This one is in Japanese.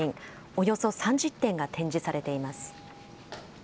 およそ３０点が展示されています。